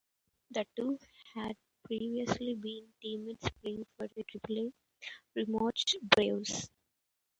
The two had previously been teammates playing for the Triple-A Richmond Braves.